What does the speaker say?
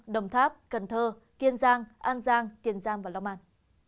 đồng tháp cần thơ kiên giang an giang kiên giang và long an